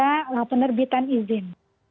sama penerbitan izin